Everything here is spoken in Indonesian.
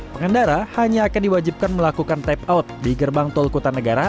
pengendara hanya akan diwajibkan melakukan tap out di gerbang tol kota negara